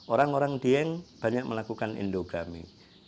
orang orang dieng banyak melakukan endogami